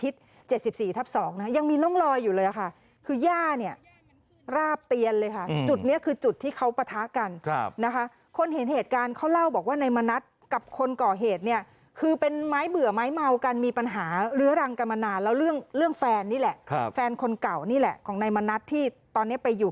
สำคัญที่รู้